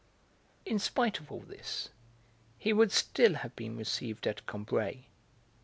In spite of all this he would still have been received at Combray.